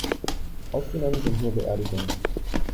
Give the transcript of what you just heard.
Ausgenommen sind nur Beerdigungen.